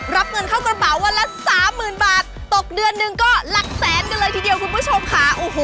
รับเงินเข้ากระเป๋าวันละสามหมื่นบาทตกเดือนหนึ่งก็หลักแสนกันเลยทีเดียวคุณผู้ชมค่ะ